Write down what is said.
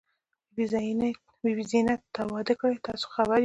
بي بي زينت، تا واده کړی؟ تاسې خو خبر یاست.